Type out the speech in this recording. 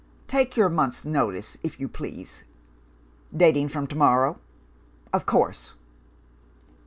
"'Take your month's notice, if you please.' "'Dating from to morrow?' "'Of course!